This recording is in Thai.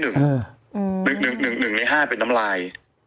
หนึ่งในห้าเป็นน้ำลาย